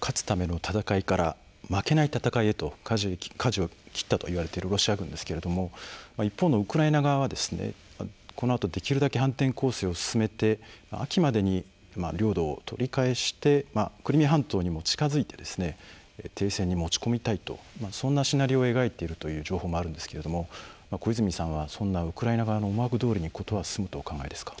勝つための戦いから負けない戦いへとかじを切ったといわれているロシア軍ですけども一方のウクライナ側はこのあとできるだけ反転攻勢を進めて秋までに領土を取り返してクリミア半島にも近づいて停戦に持ち込みたいとそんなシナリオを描いている情報もあるんですけども小泉さんは、そんなウクライナ側の思惑どおりに事は進むとお考えですか？